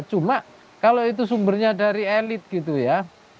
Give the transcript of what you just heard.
cuma kalau itu sumbernya dari elit gitu ya